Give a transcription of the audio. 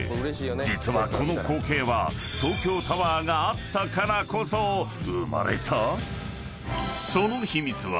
［実はこの光景は東京タワーがあったからこそ生まれた⁉］